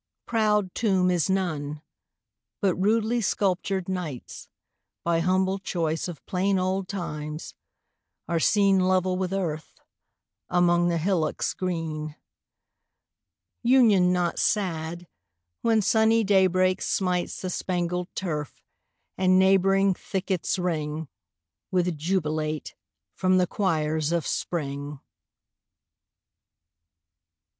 Proud tomb is none; but rudely sculptured knights, By humble choice of plain old times, are seen 10 Level with earth, among the hillocks green: Union not sad, when sunny daybreak smites The spangled turf, and neighbouring thickets ring With jubilate from the choirs of spring!